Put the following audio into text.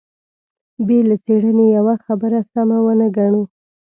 بې له څېړنې يوه خبره سمه ونه ګڼو.